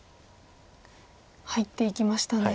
入っていきましたね。